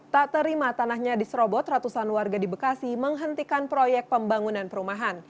tak terima tanahnya diserobot ratusan warga di bekasi menghentikan proyek pembangunan perumahan